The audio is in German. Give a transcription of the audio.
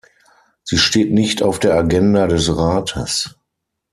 Sie steht nicht auf der Agenda des Rates.